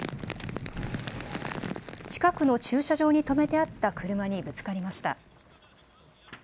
近くの駐車場に止めてあった車にぶつかりました。